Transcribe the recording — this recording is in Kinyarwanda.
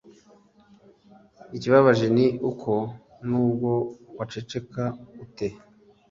Ikibabaje ni uko n’ubwo waceceka ute